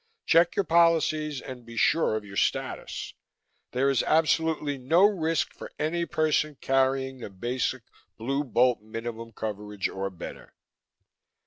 Check your policies and be sure of your status. There is absolutely no risk for any person carrying the basic Blue Bolt minimum coverage or better."